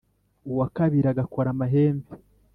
uwa kabiri agakora amahembe